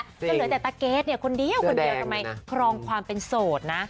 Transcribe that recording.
จะเหลือแต่ตาเกรทเนี่ยคนเดียวคนเดียวทำไมครองความเป็นโสดนะ